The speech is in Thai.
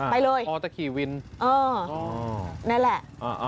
ไปเลยพอจะขี่วินเออนั่นแหละ